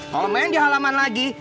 kalau main di halaman lagi